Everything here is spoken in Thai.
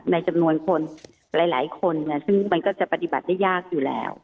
ในจำนวนคนหลายคนซึ่งมันก็จะปฏิบัติได้ยากอยู่แล้ว